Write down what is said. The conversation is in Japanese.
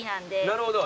なるほど。